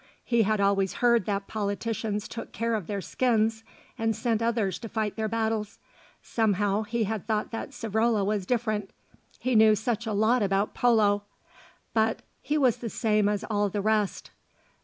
He had always heard that politicians took care of their skins, and sent others to fight their battles. Somehow he had thought that Savrola was different: he knew such a lot about polo; but he was the same as all the rest.